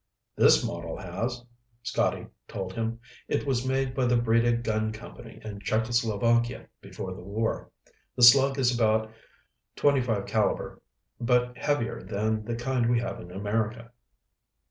"This model has," Scotty told him. "It was made by the Breda Gun Company in Czechoslovakia before the war. The slug is about .25 caliber, but heavier than the kind we have in America."